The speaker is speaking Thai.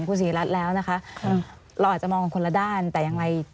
คุณศรีรัตน์แล้วนะคะเราอาจจะมองคนละด้านแต่ยังไง